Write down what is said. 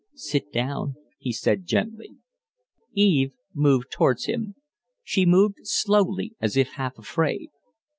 "Sit down," he said, gently. Eve moved towards him. She moved slowly, as if half afraid.